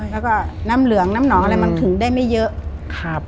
แล้วก็น้ำเหลืองน้ำหนองอะไรมันถึงได้ไม่เยอะ